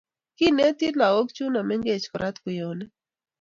Kinetii lakok chuno mengech korat kweyonik.